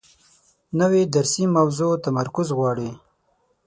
نوې درسي موضوع تمرکز غواړي